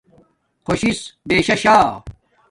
خوشی سس بیششا